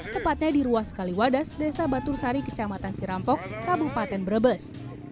tepatnya di ruas kaliwadas desa batursari kecamatan sirampok kabupaten brebes